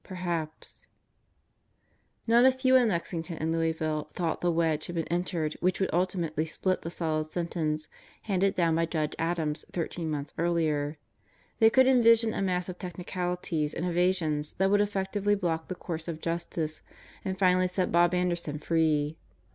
Perhaps ... Not a few in Lexington and Louisville thought the wedge had been entered which would ultimately split the solid sentence handed down by Judge Adams thirteen months earlier. They could envision a mass of technicalities and evasions that would effectively block the course of justice and finally set Bob Ander son free.